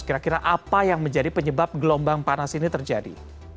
kira kira apa yang menjadi penyebab gelombang panas ini terjadi